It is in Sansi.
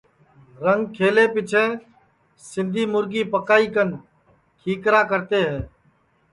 رنگ کھلے کے بعد سندھی مُرگی پکائی کن کھیکرا کرتے ہے